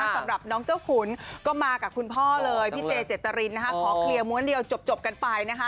สำหรับน้องเจ้าขุนก็มากับคุณพ่อเลยพี่เจเจตรินนะคะขอเคลียร์ม้วนเดียวจบกันไปนะคะ